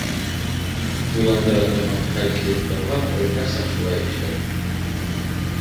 Уйландыра торған хәл килеп тыуһа, ул һәр саҡ шулай эшләй.